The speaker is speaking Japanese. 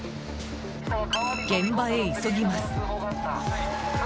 現場へ急ぎます。